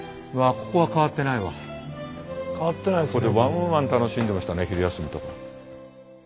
ここでわんわん楽しんでましたね昼休みとか。